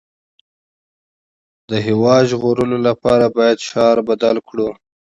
د هېواد د ژغورلو لپاره باید شعار بدل کړو